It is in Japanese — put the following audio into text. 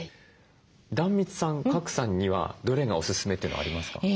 壇蜜さん賀来さんにはどれがおすすめっていうのありますか？